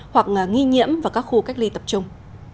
hoặc nghi nhiễm vào các khu cách ly tập trung